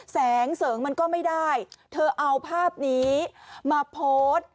แสงเสริงมันก็ไม่ได้เธอเอาภาพนี้มาโพสต์